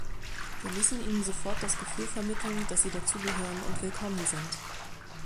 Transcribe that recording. Wir müssen ihnen sofort das Gefühl vermitteln, dass sie dazugehören und willkommen sind.